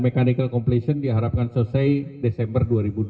manikal completion diharapkan selesai desember dua ribu dua puluh tiga